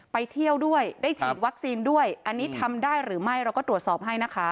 ไปเที่ยวด้วยได้ฉีดวัคซีนด้วยอันนี้ทำได้หรือไม่เราก็ตรวจสอบให้นะคะ